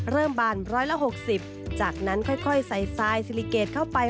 บาน๑๖๐จากนั้นค่อยใส่ทรายซิลิเกตเข้าไป